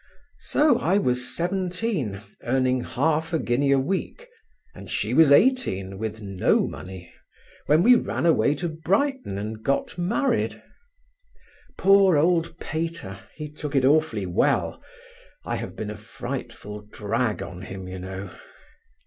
So I was seventeen, earning half a guinea a week, and she was eighteen, with no money, when we ran away to Brighton and got married. Poor old Pater, he took it awfully well, I have been a frightful drag on him, you know.